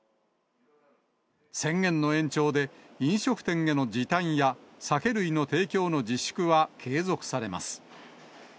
宣言の延長で、飲食店への時短や酒類の提供の自粛は継続されます。